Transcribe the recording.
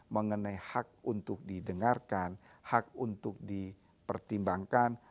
mengenai hak untuk didengarkan hak untuk dipertimbangkan